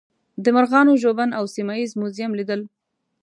د مرغانو ژوبڼ او سیمه ییز موزیم لیدل.